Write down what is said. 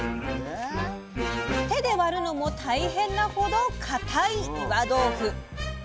手で割るのも大変なほど固い岩豆腐。